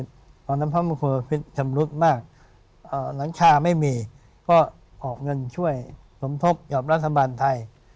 ตอนนั้นพระมงคลชำรุดมากหลังคาไม่มีก็ออกเงินช่วยสมทบกับรัฐบาลไทย